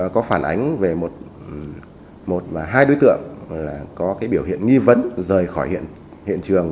có phản ánh về một hai đối tượng có biểu hiện nghi vấn rời khỏi hiện trường